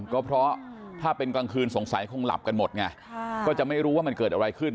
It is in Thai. ก็เพราะถ้าเป็นกลางคืนสงสัยคงหลับกันหมดไงก็จะไม่รู้ว่ามันเกิดอะไรขึ้น